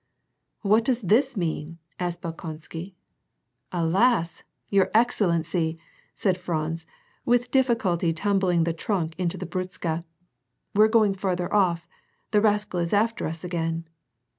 " What does this mean ?" asked Bolkonsky. "Alas! your excellency !" said Franz, with difficulty tum bling the trunk into the britzska :" We're going farther off. The rascal is after us again."